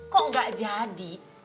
kok gak jadi